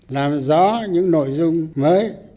làm rõ những nội dung mới